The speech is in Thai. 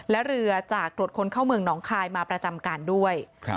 และเรือจากตรวจคนเข้าเมืองหนองคายมาประจำการด้วย